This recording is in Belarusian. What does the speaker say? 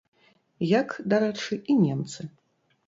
Як, дарэчы, і немцы.